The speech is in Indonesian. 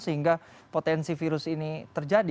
sehingga potensi virus ini terjadi